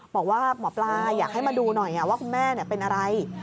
บอกว่าหมอปลาอยากให้มาดูหน่อยว่าคุณแม่เป็นอะไร